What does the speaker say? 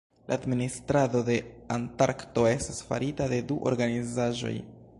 La administrado de Antarkto estas farita de du organizaĵoj.